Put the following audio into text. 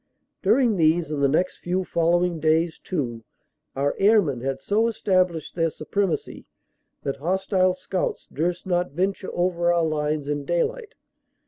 During these and the next few following days, too, our airmen had so established their supremacy that hostile scouts durst not venture over our lines in daylight.